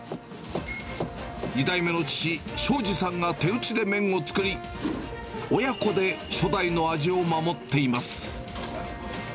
２代目の父、しょうじさんが手打ちで麺を作り、親子で初代の味を守っています。